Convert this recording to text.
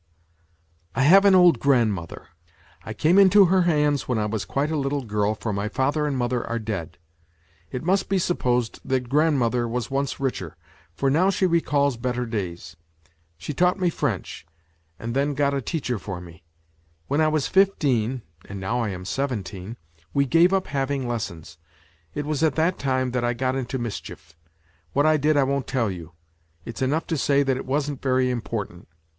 " I have an old grandmother. I came into her hands when I was quite a little girl, for mv^father and jnother are dead. It must be supposed that grandmother was once richer, for now she recalls better days. She taught me French j^and. then got a teacher._iof me. When I was fifteen (and now I am seventeen) we gave up having lessons. It was at that time that I got into mischief ; what I did I won't tell you ; it's enough to say that it wasn't very important.